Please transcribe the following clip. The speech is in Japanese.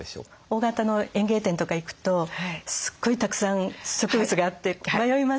大型の園芸店とか行くとすごいたくさん植物があって迷いますね。